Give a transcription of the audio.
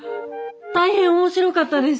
大変面白かったです。